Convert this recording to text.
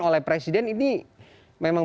oleh presiden ini memang